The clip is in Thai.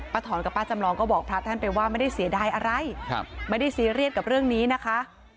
ถอนกับป้าจำลองก็บอกพระท่านไปว่าไม่ได้เสียดายอะไรไม่ได้ซีเรียสกับเรื่องนี้นะคะ